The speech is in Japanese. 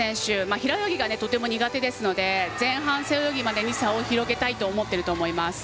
平泳ぎがとても苦手ですので前半、背泳ぎまでに差を広げたいと思っていると思います。